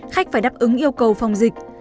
khách phải đáp ứng yêu cầu phòng dịch